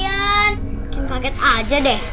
mungkin kaget aja deh